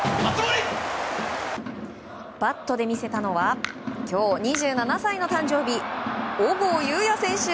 バットで見せたのは今日２７歳の誕生日小郷裕哉選手。